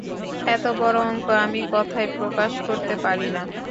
এত বড় অংক আমি কথায় প্রকাশ করতেও পারি না।